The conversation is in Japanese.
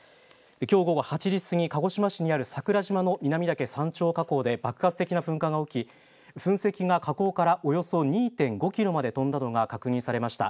きょう午後８時過ぎ鹿児島市にある桜島の南岳山頂火口で爆発的な噴火が起き噴石が火口からおよそ２．５キロまで飛んだのが確認されました。